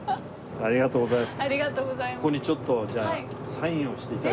ありがとうございます。